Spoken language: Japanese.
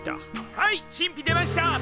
はい神秘出ました！